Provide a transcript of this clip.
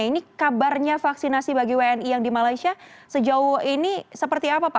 ini kabarnya vaksinasi bagi wni yang di malaysia sejauh ini seperti apa pak